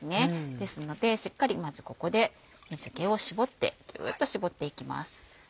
ですのでしっかりまずここで水気を絞ってギュっと絞っていきます。